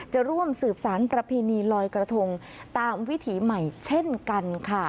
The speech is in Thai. จะร่วมสืบสารประเพณีลอยกระทงตามวิถีใหม่เช่นกันค่ะ